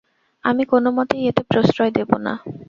আমি কোনোমতেই এতে প্রশ্রয় দেব না।